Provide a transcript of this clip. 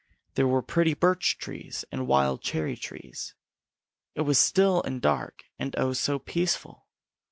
There were pretty birch trees and wild cherry trees. It was still and dark and oh, so peaceful!